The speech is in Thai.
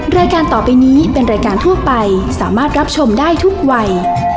รายการต่อไปนี้เป็นรายการทั่วไปสามารถรับชมได้ทุกวัย